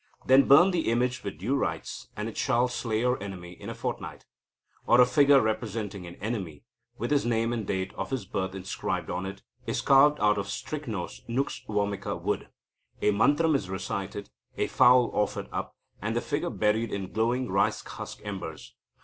Then burn the image with due rites, and it shall slay your enemy in a fortnight. Or a figure representing an enemy, with his name and date of his birth inscribed on it, is carved out of Strychnos Nux vomica wood. A mantram is recited, a fowl offered up, and the figure buried in glowing rice husk embers.